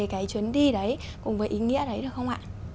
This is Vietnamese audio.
cái chuyến đi đấy cùng với ý nghĩa đấy được không ạ